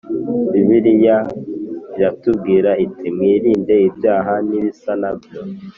bibiliya iratubwira iti mwirinde ibyaha nibisa nabyo